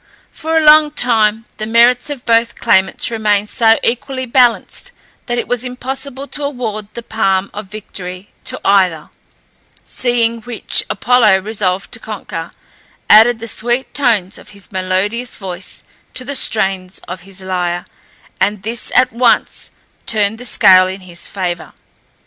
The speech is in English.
For a long time the merits of both claimants remained so equally balanced, that it was impossible to award the palm of victory to either, seeing which, Apollo, resolved to conquer, added the sweet tones of his melodious voice to the strains of his lyre, and this at once turned the scale in his favour.